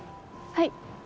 はい。